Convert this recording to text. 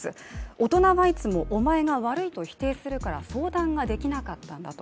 大人はいつもお前が悪いと否定するから相談ができなかったんだと。